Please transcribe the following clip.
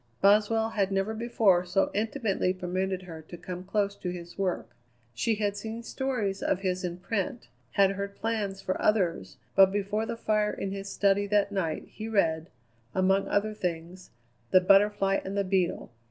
Boswell had never before so intimately permitted her to come close to his work. She had seen stories of his in print, had heard plans for others, but before the fire in his study that night he read, among other things, "The Butterfly and the Beetle."